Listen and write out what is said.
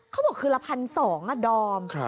เขาบอกคือละพันสองอ่ะดอม